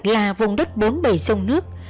là vùng đất bốn bầy sông nước